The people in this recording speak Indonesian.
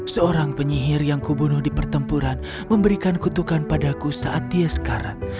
seorang penyihir yang kubunuh di pertempuran memberikan kutukan padaku saat dia sekarat